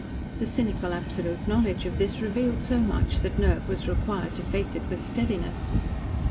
The cynical, absolute knowledge of this revealed so much that nerve was required to face it with steadiness.